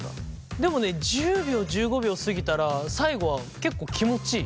でもね１０秒１５秒過ぎたら最後は結構気持ちいい。